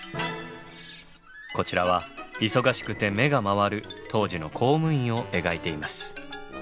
こちらはいそがしくて目がまわる当時の公務員を描いています。